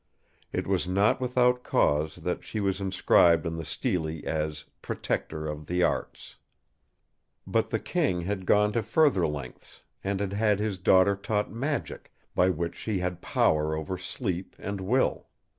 It was not without cause that she was inscribed on the Stele as 'Protector of the Arts'. "But the King had gone to further lengths, and had had his daughter taught magic, by which she had power over Sleep and Will.